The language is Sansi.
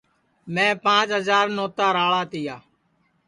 میں پانٚچ ہجار نوتا راݪا تیا